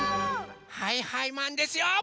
はいはいマンですよ！